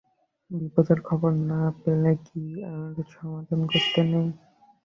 বিপদের খবর না পেলে কি আর সাবধান করতে নেই?